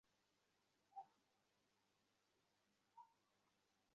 বেলা দেড়টার দিকে খবর আসে সেই কেন্দ্র বোমা ফাটিয়ে দখল করা হয়েছে।